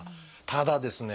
ただですね